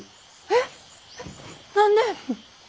えっ？何で？